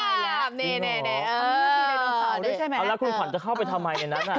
มึงไม่มีไดโนเสาร์ด้วยใช่ไหมเอาละคุณขวัญจะเข้าไปทำไมในนั้น